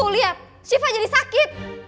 lihat syifa jadi sakit